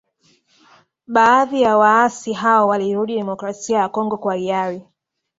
Baadhi ya waasi hao walirudi Demokrasia ya Kongo kwa hiari